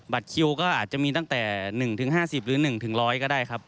คิวก็อาจจะมีตั้งแต่๑๕๐หรือ๑๐๐ก็ได้ครับ